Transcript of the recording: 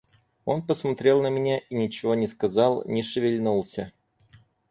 Он посмотрел на меня и ничего не сказал, не шевельнулся.